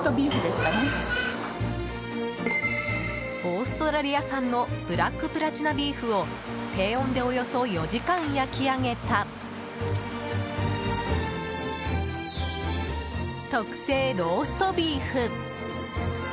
オーストラリア産のブラックプラチナビーフを低温で、およそ４時間焼き上げた特製ローストビーフ。